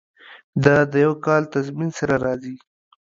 دا د یو کال تضمین سره راځي.